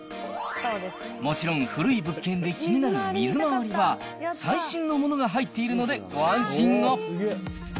もちろん古い物件で気になる水回りは、最新のものが入っているのでご安心を。